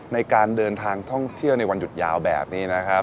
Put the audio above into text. ในการเดินทางท่องเที่ยวในวันหยุดยาวแบบนี้นะครับ